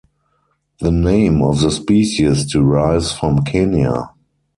The name of the species derives from Kenya.